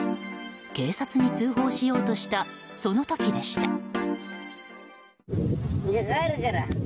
警察に通報しようとしたその時でした。